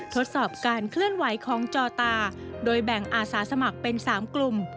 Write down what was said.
ทดสอบการเคลื่อนไหวของจอตาโดยแบ่งอาสาสมัครเป็น๓กลุ่ม